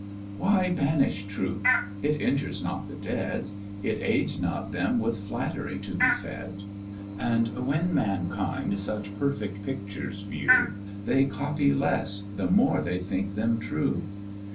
Why banish Truth? It injures not the dead, It aids not them with flattery to be fed; And when mankind such perfect pictures view, They copy less, the more they think them true.